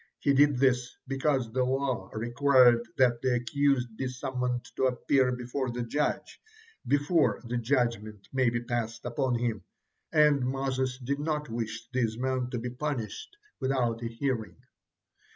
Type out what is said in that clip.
He did this because the law required that the accused be summoned to appear before the judge, before the judgement may be passed upon him, and Moses did not wish these men to be punished without a hearing.